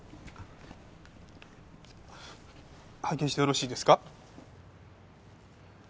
拝見してよろしいですか？